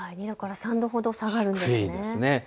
２度から３度ほど下がります。